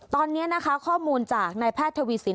ตอนนี้นะคะข้อมูลจากนายแพทย์ทวีสิน